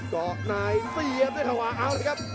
เกาะนายเสียบด้วยขวาเอาเลยครับ